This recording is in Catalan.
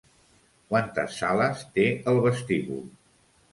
Quantes sales té el vestíbul?